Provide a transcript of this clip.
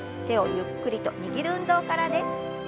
手をゆっくりと握る運動からです。